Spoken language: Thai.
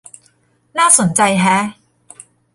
น่าสนใจแฮะ